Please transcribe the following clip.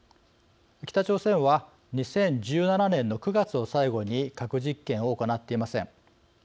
北朝鮮は２０１７年の９月を最後に核実験を行っていません。